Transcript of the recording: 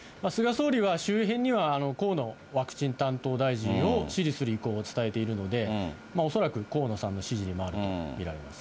総理は周辺には河野ワクチン担当大臣を支持する意向を伝えているので、恐らく河野さんの支持に回ると見られます。